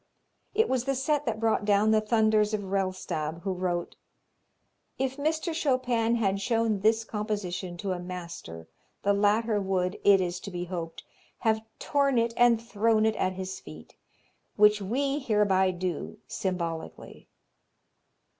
It was the set that brought down the thunders of Rellstab, who wrote: "If Mr. Chopin had shown this composition to a master the latter would, it is to be hoped, have torn it and thrown it at his feet, which we hereby do symbolically."